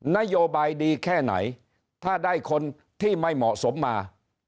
นโยบายดีแค่ไหนถ้าได้คนที่ไม่เหมาะสมมา